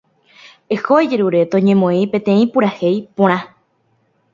Eho ejerure toñemoĩ peteĩ purahéi porã.